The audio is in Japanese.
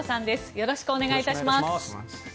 よろしくお願いします。